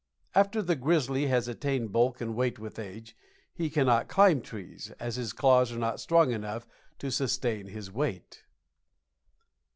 After the grizzly has attained bulk and weight with age, he cannot climb trees, as his claws are not strong enough to sustain his weight.